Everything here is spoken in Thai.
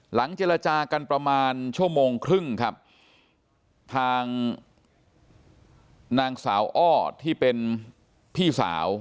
เจรจากันประมาณชั่วโมงครึ่งครับทางนางสาวอ้อที่เป็นพี่สาว